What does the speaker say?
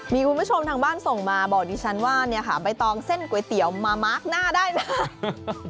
มีคุณผู้ชมทางบ้านส่งมาบอกดิฉันว่าเนี่ยค่ะใบตองเส้นก๋วยเตี๋ยวมามาร์คหน้าได้นะ